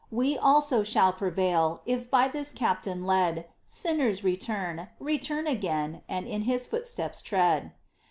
We also shall prevail, if by This captain led, Sinners, return, return again, and in His footsteps tread